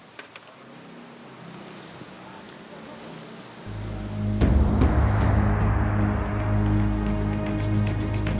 lho kita tuh nggak peduli langit